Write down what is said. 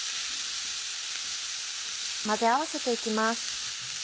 混ぜ合わせていきます。